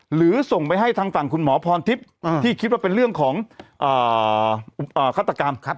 หรือส่งไปให้ทางฝั่งคุณหมอพรทิพย์ที่คิดว่าเป็นเรื่องของฆาตกรรม